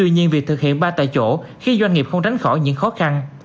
nhưng việc thực hiện ba tại chỗ khiến doanh nghiệp không tránh khỏi những khó khăn